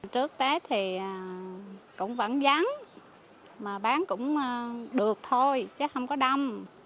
trước tết thì cũng vẫn vắng mà bán cũng được thôi chắc không có đông